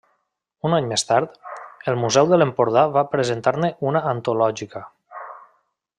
Un any més tard, el Museu de l'Empordà va presentar-ne una antològica.